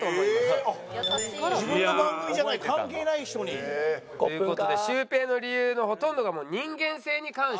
自分の番組じゃない関係ない人に？という事でシュウペイの理由のほとんどがもう人間性に関して。